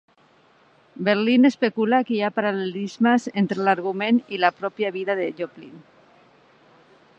Berlin especula que hi ha paral·lelismes entre l'argument i la pròpia vida de Joplin.